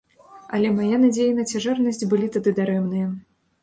Але мае надзеі на цяжарнасць былі тады дарэмныя.